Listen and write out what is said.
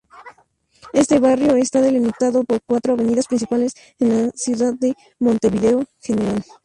Este barrio está delimitado por cuatro avenidas principales de la ciudad de Montevideo: Gral.